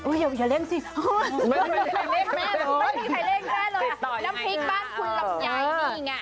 น้ำพริกบ้านคุณรำยายย์นี่ไง